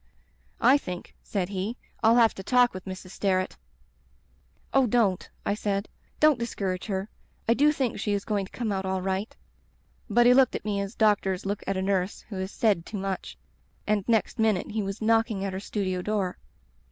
I think,' said he, 'I'll have to talk with Mrs. Sterret.' "'Oh, don't,' I said. 'Don't discourage her. I do think she is goiiig to come out all right.' " But he looked at me as doctors look at a nurse who has said too much, and next minute he was knocking at her studio door.